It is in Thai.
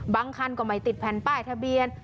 คันก็ไม่ติดแผ่นป้ายทะเบียน